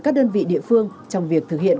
các đơn vị địa phương trong việc thực hiện